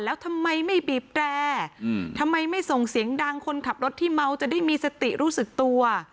แล้วทำไมไม่บีบแตรทำไมไม่ส่งเสียงดังคนขับรถที่เมาจะได้มีสติรู้สึกตัว